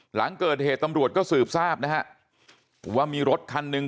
หลังเกิดเหตุตำรวจก็สืบทราบนะฮะว่ามีรถคันหนึ่ง